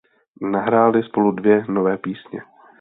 Nahráli spolu dvě nové písně.